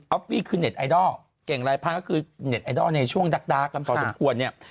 ออฟฟี่คือเน็ตไอดอลเก่งรายพางก็คือเน็ตไอดอลในช่วงดักต่อสมควรเนี่ย